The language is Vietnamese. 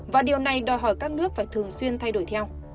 và điều này đòi hỏi các nước phải thường xuyên thay đổi theo